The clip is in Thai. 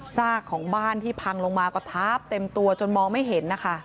ซากของบ้านที่พังลงมาก็ทับเต็มตัวจนมองไม่เห็นนะคะ